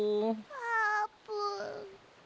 あーぷん。